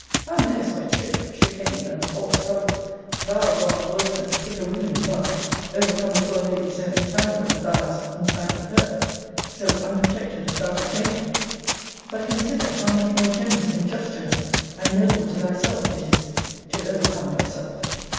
Thou mayest by trick, chicane, and false colours, thou who art worse than a pickeroon in love, overcome a poor lady so entangled as thou hast entangled her; so unprotected as thou hast made her: but consider, how much more generous and just to her, and noble to thyself, it is, to overcome thyself.